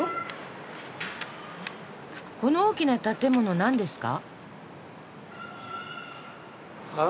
この大きな建物何ですか？